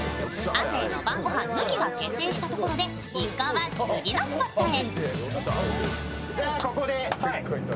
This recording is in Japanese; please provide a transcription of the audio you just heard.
亜生の晩ごはん抜きが決定したところで一行は次のスポットへ。